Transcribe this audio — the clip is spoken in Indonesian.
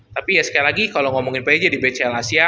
tapi ya sekali lagi kalau ngomongin pj di bcl asia